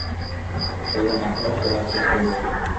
দরজা না খুললে পরে আফসোস করবে।